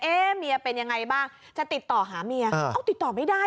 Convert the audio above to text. เมียเป็นยังไงบ้างจะติดต่อหาเมียเอาติดต่อไม่ได้